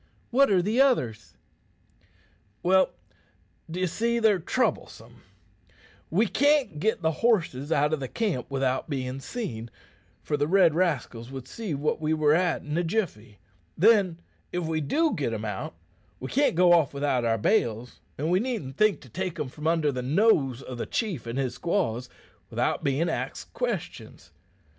"What are the others?" "Well, d'ye see, they're troublesome. We can't git the horses out o' camp without bein' seen, for the red rascals would see what we were at in a jiffy. Then, if we do git 'em out, we can't go off without our bales, an' we needn't think to take 'em from under the nose o' the chief and his squaws without bein' axed questions.